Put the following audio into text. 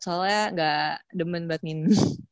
soalnya gak demen badminton